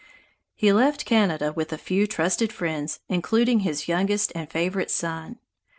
He left Canada with a few trusted friends, including his youngest and favorite son.